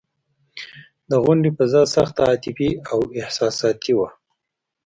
د غونډې فضا سخته عاطفي او احساساتي وه.